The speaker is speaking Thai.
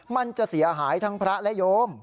มันจะเสียหายทั้งพระและโยม